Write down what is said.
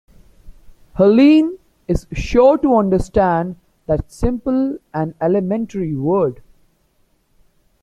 Helene is sure to understand that simple and elementary word.